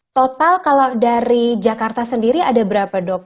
total kalau dari jakarta sendiri ada berapa dok